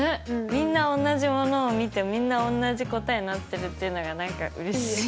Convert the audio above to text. みんなおんなじものを見てみんなおんなじ答えになってるっていうのが何かうれしい。